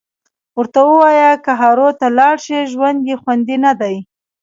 ورته ووایه که هارو ته لاړ شي ژوند یې خوندي ندی